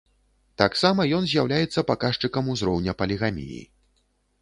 Таксама ён з'яўляецца паказчыкам узроўня палігаміі.